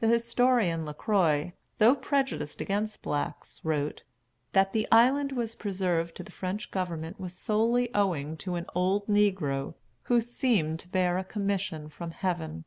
The historian Lacroix, though prejudiced against blacks, wrote, "That the island was preserved to the French government was solely owing to an old negro, who seemed to bear a commission from Heaven."